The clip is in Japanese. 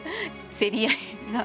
競り合いが。